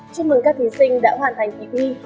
chúc mừng các thí sinh đã hoàn thành kỳ thi